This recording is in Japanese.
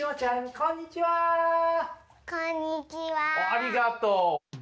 ありがとう。